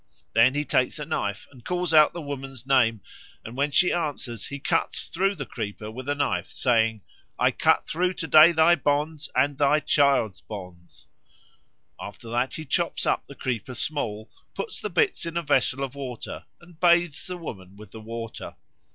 Then he takes a knife and calls out the woman's name, and when she answers he cuts through the creeper with a knife, saying, "I cut through to day thy bonds and thy child's bonds." After that he chops up the creeper small, puts the bits in a vessel of water, and bathes the woman with the water.